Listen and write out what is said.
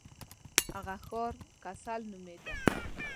هغه ښار کسل نومیده.